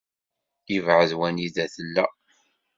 Yebεed wanida tella.